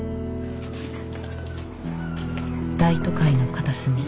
大都会の片隅。